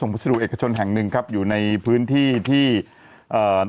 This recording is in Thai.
คิ้วมันขาด